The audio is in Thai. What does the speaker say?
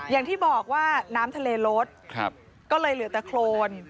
อย่างที่บอกว่าน้ำทะเลลดก็เลยเหลือแต่โครน